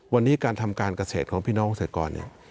วันนี้การทำการเกษตรของพี่น้องเกษตรกรเนี่ย